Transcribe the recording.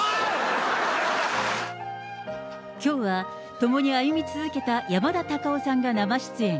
きょうは共に歩み続けた山田隆夫さんが生出演。